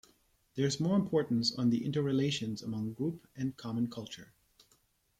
There is more importance on the interrelations among group and common culture.